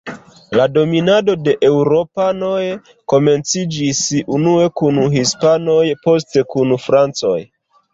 La dominado de eŭropanoj komenciĝis unue kun hispanoj, poste kun francoj.